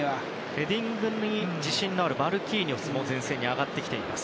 ヘディングに自信のあるマルキーニョスも前線に上がっています。